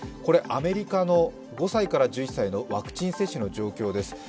アメリカの５歳から１１歳のワクチン接種の状況です。